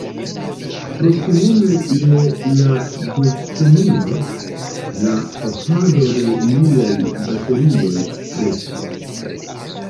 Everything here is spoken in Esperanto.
Proksimume je la dekunua, la pafado de liaj baterioj kreskis.